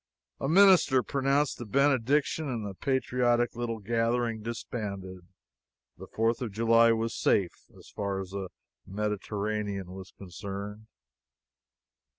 A minister pronounced the benediction, and the patriotic little gathering disbanded. The Fourth of July was safe, as far as the Mediterranean was concerned.